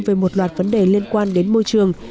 về một loạt vấn đề liên quan đến môi trường